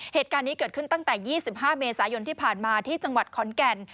เหตุการณ์นี้เกิดขึ้นตั้งแต่๒๕เมษายนที่ผ่านมาที่จังหวัดขอนแก่น